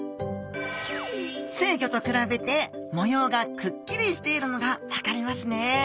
成魚と比べて模様がくっきりしているのが分かりますね。